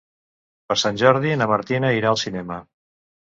Per Sant Jordi na Martina irà al cinema.